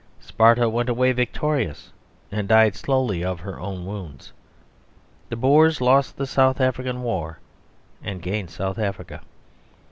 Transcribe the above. Sparta went away victorious, and died slowly of her own wounds. The Boers lost the South African War and gained South Africa.